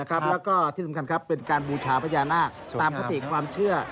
และสำคัญเป็นการบูชาพระราชน์ภาคตามพฤติความเชื่อ